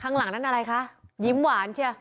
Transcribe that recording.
ข้างหลังนั้นอะไรคะยิ้มหวานเชียว